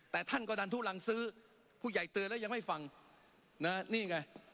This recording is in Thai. แต่ท่านก็ดันทุลังซื้อผู้ใหญ่เตือนแล้วยังไม่ฟังนะนี่ไง